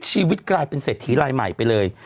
ชีวิตกลายเป็นเศรษฐีลายใหม่ไปเลย